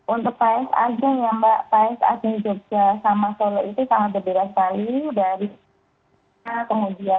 untuk paes ageng ya mbak paes asing jogja sama solo itu sama berbeda